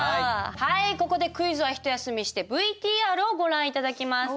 ここでクイズは一休みしてＶＴＲをご覧頂きます。